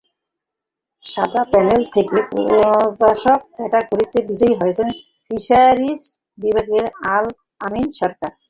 সাদা প্যানেল থেকে প্রভাষক ক্যাটাগরিতে বিজয়ী হয়েছেন ফিশারিজ বিভাগের আল-আমিন সরকার।